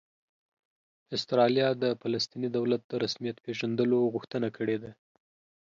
استرالیا د فلسطیني دولت د رسمیت پېژندلو غوښتنه کړې ده